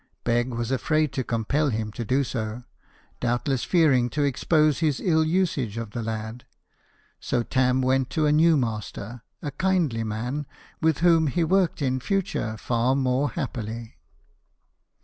Begg was afraid to compel him to do so doubtless fearing to expose his ill usage of the lad. So Tarn went to a new master, a kindly man, with whom he worked in future far more happily.